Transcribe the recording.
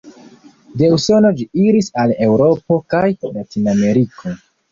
De Usono ĝi iris al Eŭropo kaj Latinameriko.